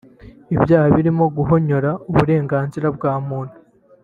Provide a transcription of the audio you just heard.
Ibyaha birimo guhonyora uburenganzira bwa muntu